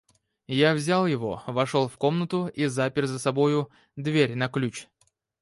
Я взял его, вошел в комнату и запер за собою дверь на ключ.